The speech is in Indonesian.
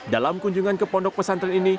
dalam kunjungan ke pondok pesantren ini